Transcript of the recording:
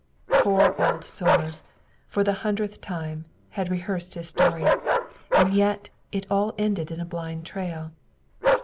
Poor old Somers, for the hundredth time, had rehearsed his story, and yet it all ended in a blind trail.